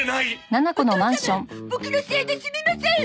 ボクのせいですみません！